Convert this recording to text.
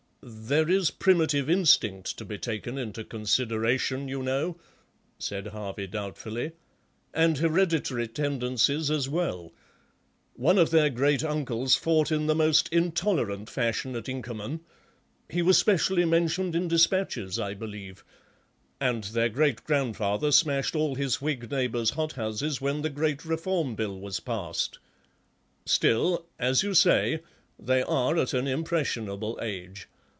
"There is primitive instinct to be taken into consideration, you know," said Harvey doubtfully, "and hereditary tendencies as well. One of their great uncles fought in the most intolerant fashion at Inkerman—he was specially mentioned in dispatches, I believe—and their great grandfather smashed all his Whig neighbours' hot houses when the great Reform Bill was passed. Still, as you say, they are at an impressionable age.